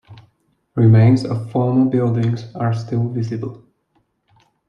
Remains of former buildings are still visible.